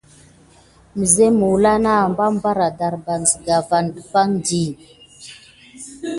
Mi ade əɗɗa aŋ umpa di, nənah na maw tay ulane anawda ɓa. Məfi i.